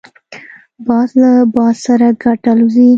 باز له باد سره ګډ الوزي